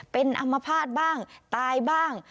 เป็นอัมพาตบ้างตายบ้าง